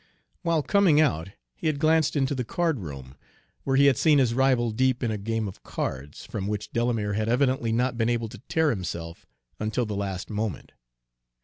While coming out he had glanced into the card room, where he had seen his rival deep in a game of cards, from which Delamere had evidently not been able to tear himself until the last moment.